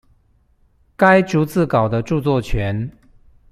該逐字稿的著作權